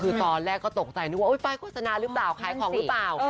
คือตอนแรกก็ตกใจนึกว่าป้ายโฆษณาหรือเปล่าขายของหรือเปล่า